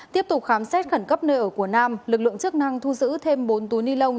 tiếp tục khám xét khẩn cấp nơi ở của nam lực lượng chức năng thu giữ thêm bốn túi ni lông